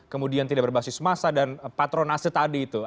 kemudian tidak berbasis massa dan patronase takutnya